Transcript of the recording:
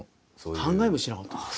考えもしなかったです。